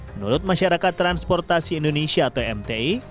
menurut masyarakat transportasi indonesia atau mti